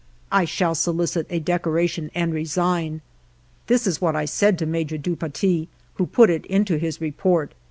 I shall solicit a decoratign, and resign. This is what I said to Major ALFRED DREYFUS 45 du Paty, who put it into his report.